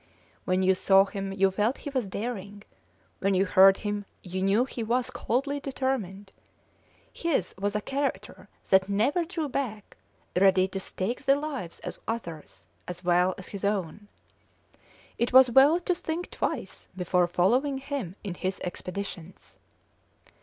When you saw him you felt he was daring; when you heard him you knew he was coldly determined; his was a character that never drew back, ready to stake the lives of others as well as his own. It was well to think twice before following him in his expeditions.